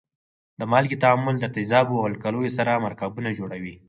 د مالګې تعامل د تیزابو او القلیو سره مرکبونه جوړوي.